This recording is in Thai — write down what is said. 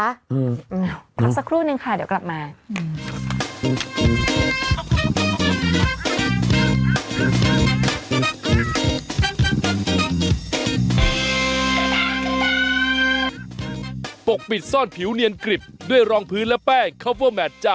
พักสักครู่นึงค่ะเดี๋ยวกลับมา